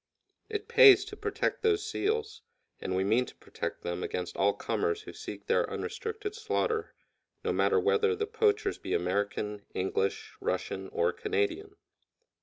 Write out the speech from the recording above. It pays to protect those seals, and we mean to protect them against all comers who seek their unrestricted slaughter, no matter whether the poachers be American, English, Russian, or Canadian.